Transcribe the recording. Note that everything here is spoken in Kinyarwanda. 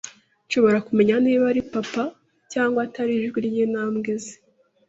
Nshobora kumenya niba ari Papa cyangwa atari ijwi ryintambwe ze.